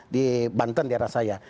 di banten daerah saya